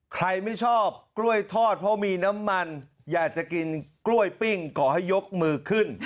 ใครไม่ชอบกล้วยทอดเพราะมีน้ำมันอยากจะกินกล้วยปิ้งขอให้ยกมือขึ้น